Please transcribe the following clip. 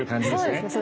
そうですね。